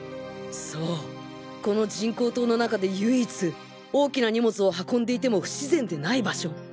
そうこの人工島の中で唯一大きな荷物を運んでいても不自然でない場所。